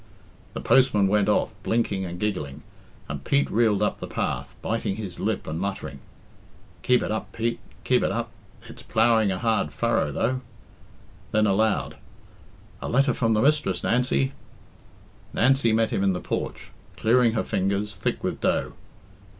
The postman went off blinking and giggling, and Pete reeled up the path, biting his lip, and muttering, "Keep it up, Pete, keep it up it's ploughing a hard furrow, though." Then aloud, "A letter from the mistress, Nancy." Nancy met him in the porch, clearing her fingers, thick with dough.